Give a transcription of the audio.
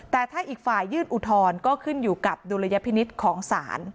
แต่ถ้าอีกฝ่ายยื่นอุทธรณ์ก็ขึ้นอยู่กับดุลยพินิษฐ์ของศาล